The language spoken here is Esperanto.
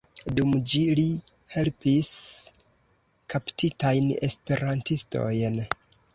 Dum ĝi li helpis kaptitajn esperantistojn.